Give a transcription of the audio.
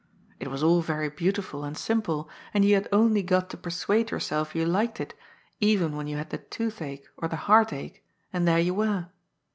It was all very beautiful and simple, and you had only got to persuade yourself you liked it, even when you had the toothache or the heartache, and there you were.